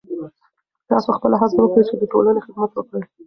تاسو خپله هڅه وکړئ چې د ټولنې خدمت وکړئ.